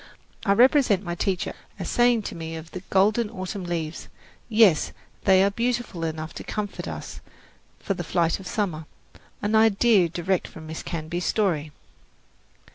I represent my teacher as saying to me of the golden autumn leaves, "Yes, they are beautiful enough to comfort us for the flight of summer" an idea direct from Miss Canby's story.